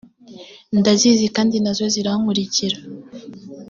ndazizi kandi na zo zirankurikira